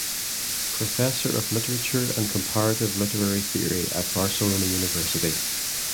Professor of Literature and Comparative Literary Theory at Barcelona University.